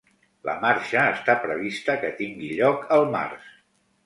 La marxa està prevista que tingui lloc el març.